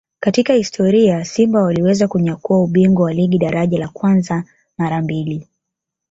katika historia Simba waliweza kunyakua ubingwa wa ligi daraja la kwanza mara mbili